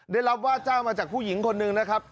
ได้รับว่าจ้างมาจากผู้หญิงคนหนึ่งนะครับ